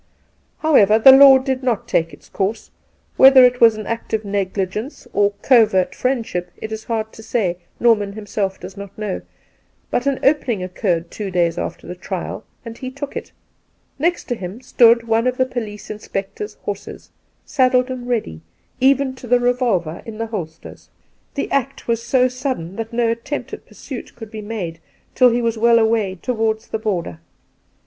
However, the law did not^ke its course — whether it was an act of negligence or covert friendship it is hard to say — Norman himself does not know; but an opening occurred two days after the trial, and he took it. ¥ext to him stood one of the police inspector's horses, saddled and ready, even to the revolver in the holsters. The act was so sudden that no attempt at pursuit could be made till he was well away towards the border.